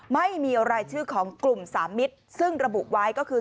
ไม่มีรายชื่อของกลุ่มสามมิตรซึ่งระบุไว้ก็คือ